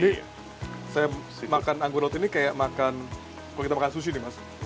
jadi saya makan anggur laut ini kayak makan kalau kita makan sushi nih mas